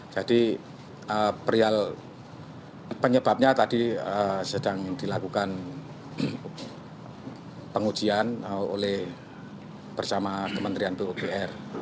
jadi penyebabnya tadi sedang dilakukan pengujian oleh bersama kementerian pupr